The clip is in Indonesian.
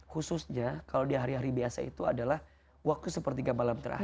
khususnya kalau di hari hari biasa itu adalah waktu sepertiga malam terakhir